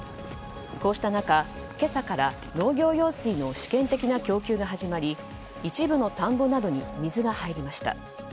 こうした中、今朝から農業用水の試験的な供給が始まり一部の田んぼなどに水が入りました。